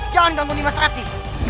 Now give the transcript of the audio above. jangan gantung nimas rati